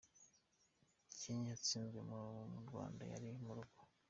Kenya yatsinzwe n'u Rwanda ruri mu rugo.